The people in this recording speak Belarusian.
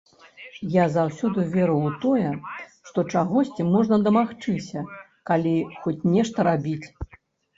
Я заўсёды веру ў тое, што чагосьці можна дамагчыся, калі хоць нешта рабіць.